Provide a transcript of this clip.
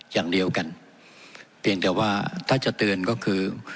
อย่างเดียวกันเพียงแต่ว่าถ้าจะเตือนก็คือ